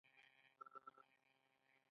پاچا د عوامو سره نيکه رويه نه کوله.